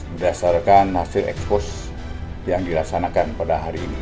berdasarkan hasil expose yang dilaksanakan pada hari ini